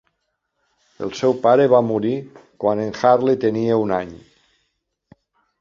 El seu pare va morir quan en Harley tenia un any.